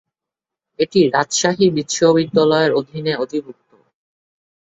এটি রাজশাহী বিশ্ববিদ্যালয়ের অধীনে অধিভুক্ত।